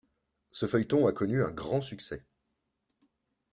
Ce feuilleton a connu un grand succès.